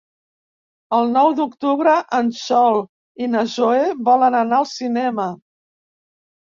El nou d'octubre en Sol i na Zoè volen anar al cinema.